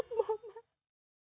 bella anak mama